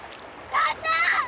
母ちゃん！